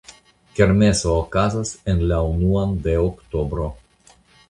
Kermeso okazas en la unuan de oktobro.